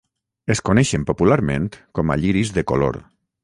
Es coneixen popularment com a lliris de color.